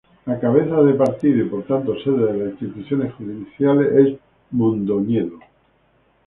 La cabeza de partido y por tanto sede de las instituciones judiciales es Mondoñedo.